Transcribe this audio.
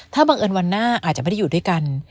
ถ้าบังเอิญวันหน้าอาจจะไม่ได้อยู่ด้วยกัน